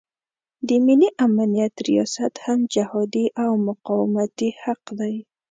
د ملي امنیت ریاست هم جهادي او مقاومتي حق دی.